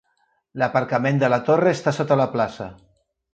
L'aparcament de la torre està sota la plaça.